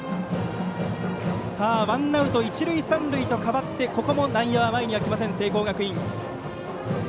ワンアウト一塁三塁と変わってここも内野は前には来ません、聖光学院。